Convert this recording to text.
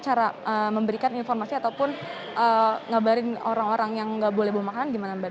cara memberikan informasi ataupun ngabarin orang orang yang nggak boleh mau makan gimana mbak